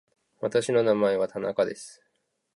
私の名前は田中です。